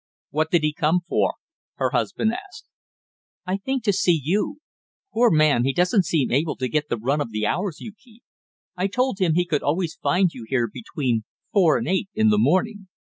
"What did he come for?" her husband asked. "I think to see you. Poor man, he doesn't seem able to get the run of the hours you keep; I told him he could always find you here between four and eight in the morning.